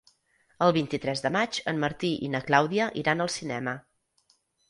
El vint-i-tres de maig en Martí i na Clàudia iran al cinema.